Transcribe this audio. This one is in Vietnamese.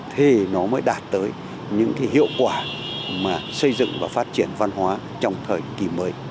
thì nó mới đạt tới những hiệu quả mà xây dựng và phát triển văn hóa trong thời kỳ mới